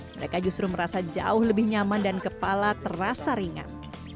mereka justru merasa jauh lebih nyaman dan kepala terasa ringan